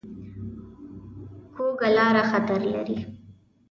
کوږه لاره خطر لري